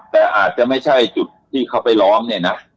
แต่อาจจะไม่ใช่จุดที่เขาไปล้อมเนี่ยนะ